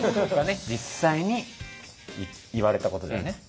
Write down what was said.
実際に言われたことだよね？